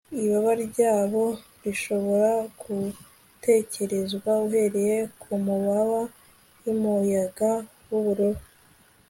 Ibaba ryabo rishobora gutekerezwa uhereye kumababa yumuyaga wubururu